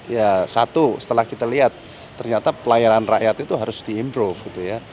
ya satu setelah kita lihat ternyata pelayaran rakyat itu harus di improve gitu ya